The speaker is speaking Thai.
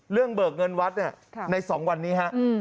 เรื่องเบิกเงินวัดเนี่ยครับในสองวันนี้ฮะอืม